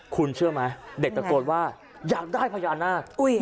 คุณเชื่อไหมเด็กตะโกนว่าอยากได้พญานาค